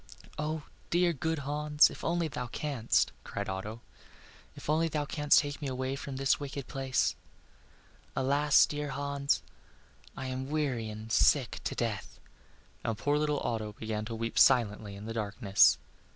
"Oh, dear, good Hans! if only thou canst!" cried Otto; "if only thou canst take me away from this wicked place. Alas, dear Hans! I am weary and sick to death." And poor little Otto began to weep silently in the darkness.